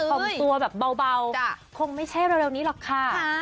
่อมตัวแบบเบาคงไม่ใช่เร็วนี้หรอกค่ะ